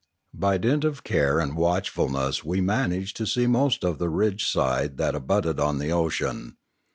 By dint of care and watchfulness we managed to see most of the ridge side that abutted on the ocean.